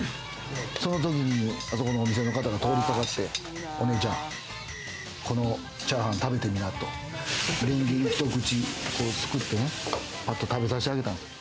その時に、あそこのお店の方が通りかかって、姉ちゃん、このチャーハン食べてみなと、レンゲひと口すくって、パッと食べさせてあげたんですよ。